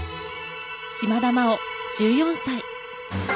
島田麻央、１４歳。